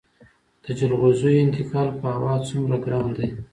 د جلغوزیو انتقال په هوا څومره ګران دی؟